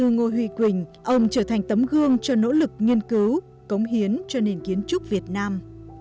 như ngô huy quỳnh ông trở thành tấm gương cho nỗ lực nghiên cứu cống hiến cho nền kiến trúc việt nam